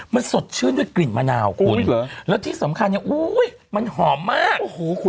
มันสดชื่นด้วยกลิ่นมะนาวคุณแล้วที่สำคัญเนี่ยอุ้ยมันหอมมาก